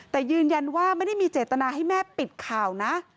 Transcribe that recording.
แต่ยืนยันว่าไม่ได้มีเจตนาให้แม่ปิดข่าวนะ